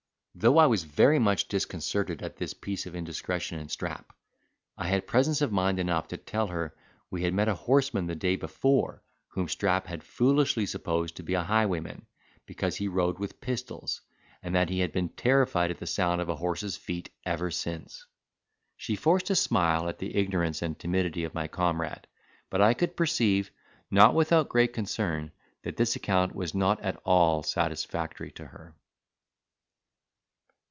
Though I was very much disconcerted at this piece of indiscretion in Strap, I had presence of mind enough to tell her we had met a horseman the day before, whom Strap had foolishly supposed to be a highwayman, because he rode with pistols; and that he had been terrified at the sound of a horse's feet ever since. She forced a smile at the ignorance and timidity of my comrade; but I could perceive, not without great concern, that this account was not at all satisfactory to her.